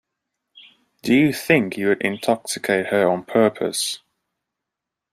Do you think you would intoxicate her on purpose?